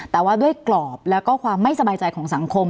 แต่ว่าด้วยกรอบแล้วก็ความไม่สบายใจของสังคม